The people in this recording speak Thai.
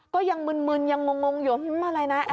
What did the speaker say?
ก็ยังมึนมึนยังงงอยู่ไม่มีอะไรนะ